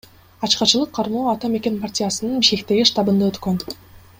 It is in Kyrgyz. Ачкачылык кармоо Ата мекен партиясынын Бишкектеги штабында өткөн.